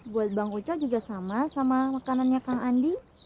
buat bang uco juga sama sama makanannya kang andi